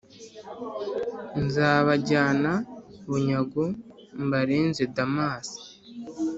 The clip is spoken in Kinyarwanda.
Nzabajyana bunyago mbarenze Damasi!